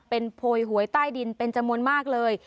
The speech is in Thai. เป็นโพยหวยใต้ดินเป็นจำนวนมากเลย